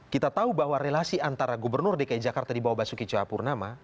kita tahu bahwa relasi antara gubernur dki jakarta di bawah basuki cua purnama